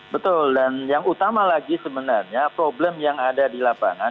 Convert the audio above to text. betul dan yang utama lagi sebenarnya problem yang ada di lapangan